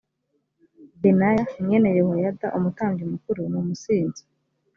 benaya mwene yehoyada umutambyi mukuru ni umusinzi